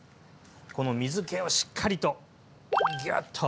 この水けをしっかりとギュッと！